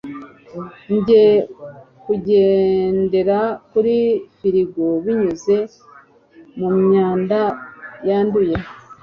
njye kugendera kuri firigo binyuze mumyanda yanduye